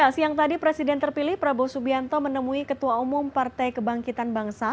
siang tadi presiden terpilih prabowo subianto menemui ketua umum partai kebangkitan bangsa